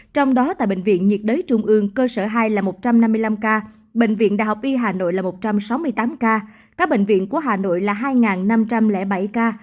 trong đó tại bệnh viện nhiệt đới trung ương cơ sở hai là một trăm năm mươi năm ca bệnh viện đại học y hà nội là một trăm sáu mươi tám ca các bệnh viện của hà nội là hai năm trăm linh bảy ca